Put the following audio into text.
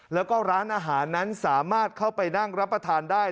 แล้วก็ร้านอาหารนั้นสามารถเข้าไปนั่งรับประทานได้